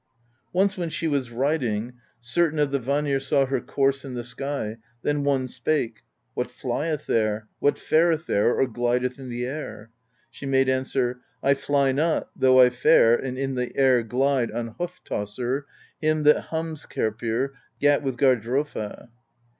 Once when she was riding, cer tain of the Vanir saw her course in the air; then one spake: What flieth there? What fareth there, Or glideth in the air? She made answer: I fly not, though I fare And in the air glide On Hoof Tosser, him that Hamskerpir Gat with Gardrofa.